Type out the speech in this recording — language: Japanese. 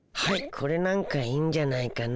これなんかいいんじゃないかな。